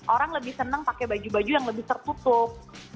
orang lebih senang pakai baju baju yang lebih tertutup